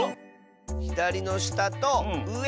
ひだりのしたとうえ。